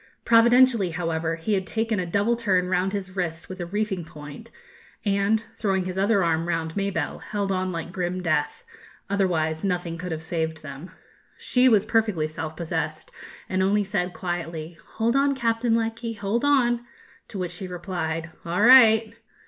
Providentially, however, he had taken a double turn round his wrist with a reefing point, and, throwing his other arm round Mabelle, held on like grim death; otherwise nothing could have saved them. She was perfectly self possessed, and only said quietly, 'Hold on, Captain Lecky, hold on!' to which he replied, 'All right.'